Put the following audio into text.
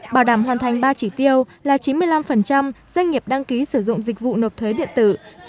bảo đảm hoàn thành ba chỉ tiêu là chín mươi năm doanh nghiệp đăng ký sử dụng dịch vụ nộp thuế điện tử